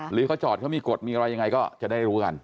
หรือเขาจอดเขามีกฎมีอะไรยังไงก็จะได้รู้กัน